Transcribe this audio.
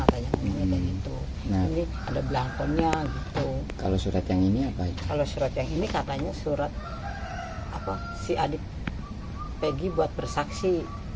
kalau surat yang ini katanya surat si adik peggy buat bersaksi